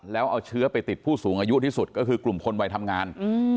แล้วเอาเชื้อไปติดผู้สูงอายุที่สุดก็คือกลุ่มคนวัยทำงาน